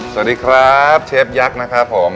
สวัสดีครับเชฟยักษ์นะครับผม